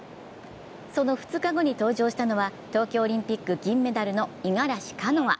その２日後に登場したのは東京オリンピック銀メダルの五十嵐カノア。